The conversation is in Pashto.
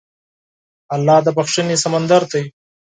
الله د بښنې سمندر دی.